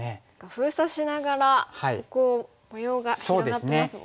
封鎖しながらここを模様が広がってますもんね。